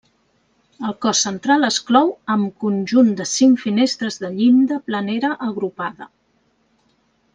El cos central es clou amb conjunt de cinc finestres de llinda planera agrupada.